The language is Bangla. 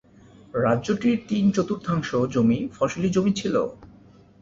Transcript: রাজ্যটির তিন-চতুর্থাংশ জমি ফসলি জমি ছিল।